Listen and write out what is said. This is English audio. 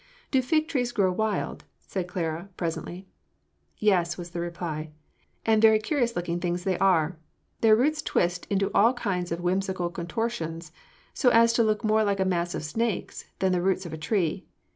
"Do fig trees grow wild?" asked Clara, presently. "Yes," was the reply, "and very curious looking things they are. 'Their roots twist into all kinds of whimsical contortions, so as to look more like a mass of snakes than the roots of a tree.